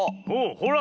ほら。